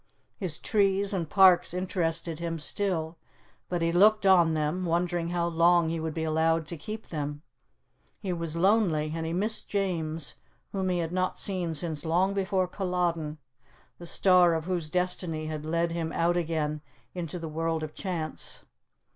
His trees and parks interested him still, but he looked on them, wondering how long he would be allowed to keep them. He was lonely, and he missed James, whom he had not seen since long before Culloden, the star of whose destiny had led him out again into the world of chance.